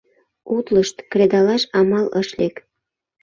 Утлышт, кредалаш амал ыш лек!